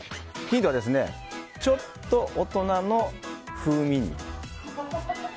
ヒントはちょっと大人の風味に。